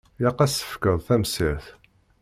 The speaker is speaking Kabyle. Ilaq ad s-tefkeḍ tamsirt.